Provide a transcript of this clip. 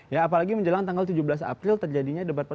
ya apalagi menjelang tanggal tujuh belas april terjadinya debat